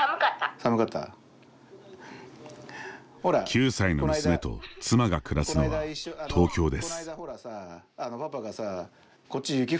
９歳の娘と妻が暮らすのは東京です。